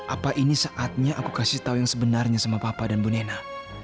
apa ini saatnya aku kasih tahu yang sebenarnya sama papa dan bu nena